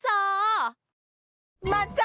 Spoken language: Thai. เจ้าแจ๊กริมจอ